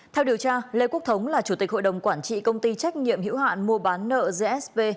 theo điều tra lê quốc thống là chủ tịch hội đồng quản trị công ty trách nhiệm hữu hạn mua bán nợ gsv